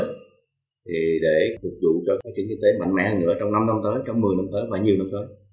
thì để phục vụ cho phát triển kinh tế mạnh mẽ hơn nữa trong năm năm tới trong một mươi năm tới và nhiều năm tới